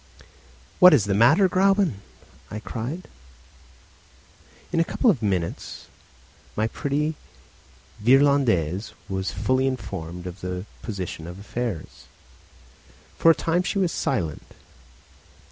"What is the matter, Gräuben?" I cried. In a couple of minutes my pretty Virlandaise was fully informed of the position of affairs. For a time she was silent.